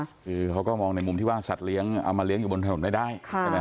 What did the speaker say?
คือเขาก็มองในมุมที่ว่าสัตว์เอามาเลี้ยงอยู่บนถนนไม่ได้ใช่ไหมฮ